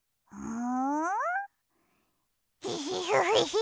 ん？